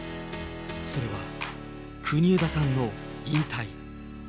それは国枝さんの引退。